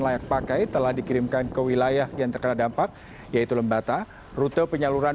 layak pakai telah dikirimkan ke wilayah yang terkena dampak yaitu lembata rute penyaluran